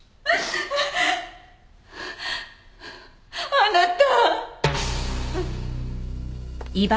あなた！